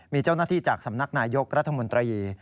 มีเจ้าหน้าที่จากสำนักนายยกรัฐมนตรี